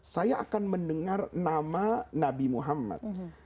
saya akan mendengar nama nabi muhammad